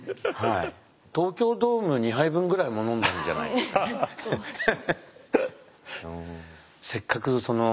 東京ドーム２杯分ぐらい飲んだんじゃないですか。と思ってます。